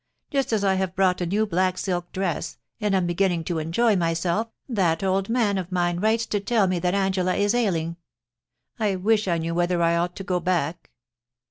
Just as I have bought a new black silk dress, and am beginning to enjoy myself, that old man of mine >vrites to tell me that Angela is ailing — I wish I knew whether I ought to go back.